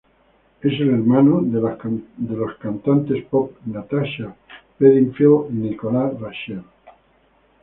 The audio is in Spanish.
Es el hermano de los cantantes pop Natasha Bedingfield y Nikola Rachelle.